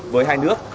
với hai nước